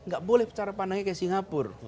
gak boleh cara pandangnya kayak singapura